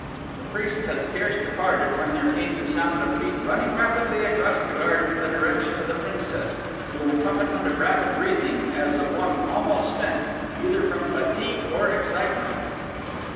The priests had scarce departed when there came the sound of feet running rapidly across the garden in the direction of the princess to an accompaniment of rapid breathing as of one almost spent, either from fatigue or excitement.